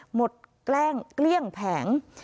หมดแกล้งเกลี้ยงแผง